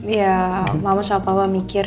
iya mama sama papa mikir